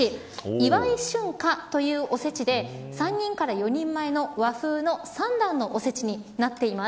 祝春華、というおせちで３人から４人前の和風の３段のおせちになっています。